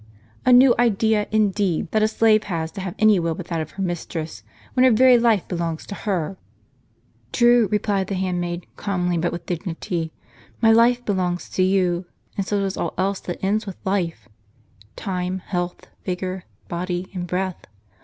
A new idea, indeed, that a slave has to have any will but that of her mistress, when her very life belongs to her !" "True," replied the handmaid, calmly but with dignity, " my life belongs to you, and so does all else that ends with life,— time, health, vigor, body, and breath.